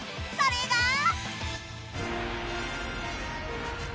それが。